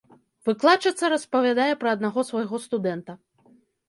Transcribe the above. Выкладчыца распавядае пра аднаго свайго студэнта.